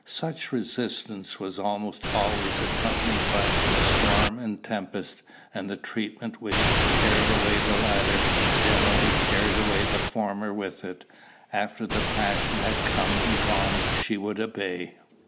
Such resistance was almost always accompanied by storm and tempest; and the treatment which carried away the latter, generally carried away the former with it; after the passion had come and gone, she would obey.